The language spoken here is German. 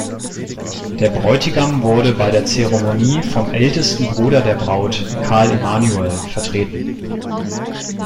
Der Bräutigam wurde bei der Zeremonie vom ältesten Bruder der Braut, Karl Emanuel, vertreten.